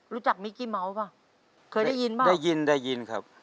รู้จักมิกกี้เมาส์ป่ะเคยได้ยินป่ะได้ยินครับ